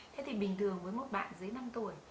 thế thì bình thường với một bạn dưới năm tuổi